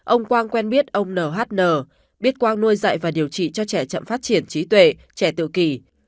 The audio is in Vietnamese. ông quang quen biết ông nhn biết quang nuôi dạy và điều trị cho trẻ chậm phát triển trí tuệ trẻ tự kỷ